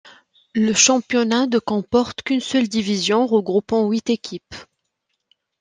Le championnat de comporte qu'une seule division regroupant huit équipes.